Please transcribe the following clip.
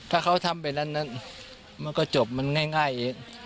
ถ้าเขาทำไปนั้นมันก็จบมันง่าย